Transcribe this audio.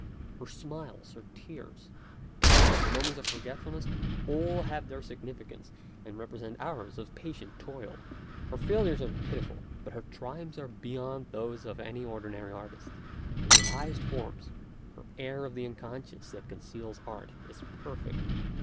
Her smiles, her tears, her moments of forgetfulness, all have their significance and represent hours of patient toil. Her failures are pitiful ; but her triumphs are beyond those of any ordinary artist. In her highest forms her air of the unconsciousness that conceals art is perfect.